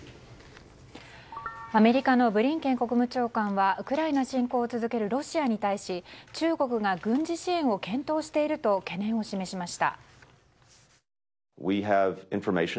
アメリカのブリンケン国務長官はウクライナ侵攻を続けるロシアに対し中国が軍事支援を検討していると懸念を示しました。